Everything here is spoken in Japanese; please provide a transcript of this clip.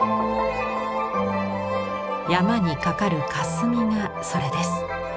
山にかかる霞がそれです。